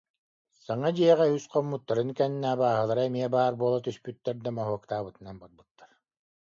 Саҥа дьиэҕэ үс хоммуттарын кэннэ абааһылара эмиэ баар буола түспүттэр да, моһуоктаабытынан барбыттар